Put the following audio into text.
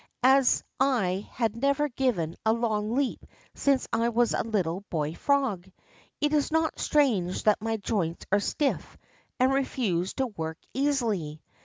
As I have never given a long leap since I was a little boy frog, it is not strange that my joints are stiff and refuse to work easily.